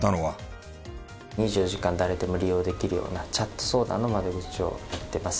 ２４時間誰でも利用できるようなチャット相談の窓口をやってます。